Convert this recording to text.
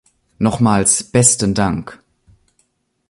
Nochmals besten Dank.